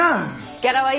ギャラはいくら？